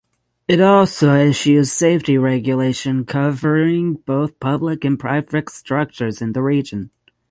It also issues safety regulation covering both public and private structures in the region.